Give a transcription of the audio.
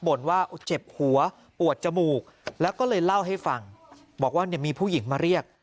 ว่าเจ็บหัวปวดจมูกแล้วก็เลยเล่าให้ฟังบอกว่าเนี่ยมีผู้หญิงมาเรียก